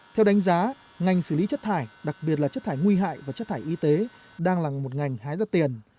theo đánh giá ngành xử lý chất thải đặc biệt là chất thải nguy hại và chất thải y tế đang là một ngành hái ra tiền